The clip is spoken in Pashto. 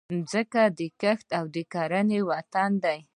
مځکه د کښت او کرنې وطن دی.